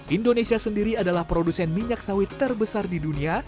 indonesia sendiri adalah produsen minyak sawit terbesar di dunia